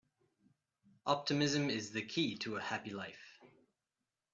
Optimism is the key to a happy life.